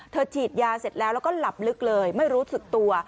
ฉีดยาเสร็จแล้วแล้วก็หลับลึกเลยไม่รู้สึกตัว